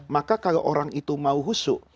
maka kalau orang itu mau husu